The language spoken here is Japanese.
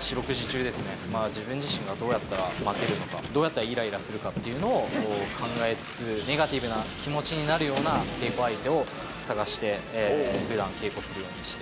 四六時中ですね、自分自身がどうやったら負けるのか、どうやったらいらいらするのかっていうのを考えつつ、ネガティブな気持ちになるような稽古相手を探してふだん、稽古するようにして。